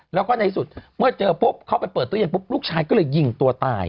แล้วก็ในสุดเมื่อเจอปุ๊บเขาไปเปิดตู้เย็นปุ๊บลูกชายก็เลยยิงตัวตาย